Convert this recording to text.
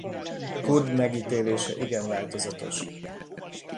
Kutb megítélése igen változatos.